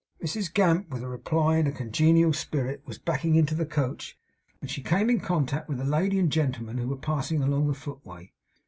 Mrs Gamp with a reply in a congenial spirit was backing to the coach, when she came in contact with a lady and gentleman who were passing along the footway.